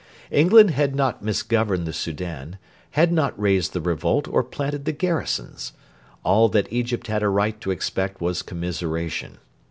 England had not misgoverned the Soudan, had not raised the revolt or planted the garrisons. All that Egypt had a right to expect was commiseration.